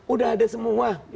udah ada semua